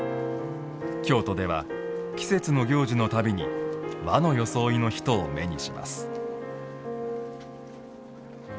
京都では、季節の行事のたびに和の装いの人を目にします。